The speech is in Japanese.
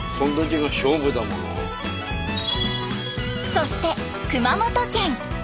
そして熊本県。